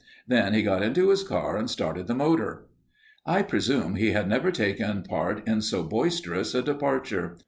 Then he got into his car and started the motor. I presume he had never taken part in so boisterous a departure.